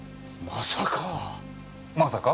まさか？